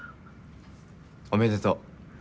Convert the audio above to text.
おめでとう。